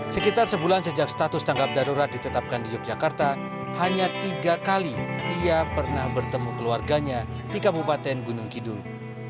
sekitar sebulan sejak status tanggap darurat ditetapkan di yogyakarta hanya tiga kali ia pernah bertemu keluarganya di kabupaten gunung kidul